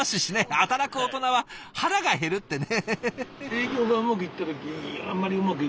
働くオトナは腹が減るってね。